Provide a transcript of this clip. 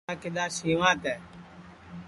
یو چوڑا کِدؔا سیواں تیں